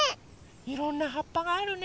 いろんなはっぱがあるね。